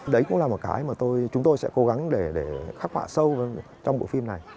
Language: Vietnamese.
đấy cũng là một cái mà chúng tôi sẽ cố gắng để khắc họa sâu trong bộ phim này